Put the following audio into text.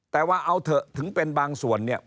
แต่ว่าเอาเถอะถึงเป็นบางส่วนเนี่ย